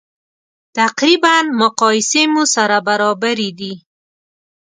تقریبا مقایسې مو سره برابرې دي.